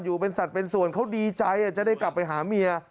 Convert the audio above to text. อยู่เป็นสัตว์เป็นส่วนเขาดีใจจะได้กลับไปหาเมีย